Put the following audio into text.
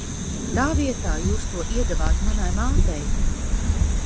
Tā vietā jūs to iedevāt manai mātei!